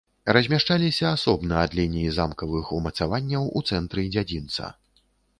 Размяшчаліся асобна ад лініі замкавых умацаванняў у цэнтры дзядзінца.